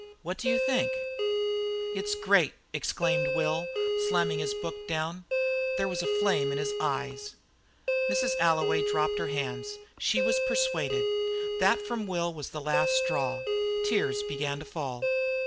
What do you think of it?" "It's great!" exclaimed Will, slamming down his book. There was a flame in his eyes. Mrs. Alloway dropped her hands. She was persuaded. That from Will was the last straw. Tears began to fall.